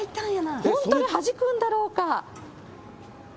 本当にはじくんだろうか。